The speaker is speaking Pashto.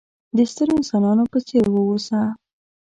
د سترو انسانانو په څېر وه اوسه!